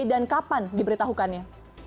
dan kapan diberitahukannya